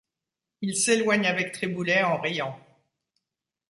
Il s’éloigne avec Triboulet, en riant.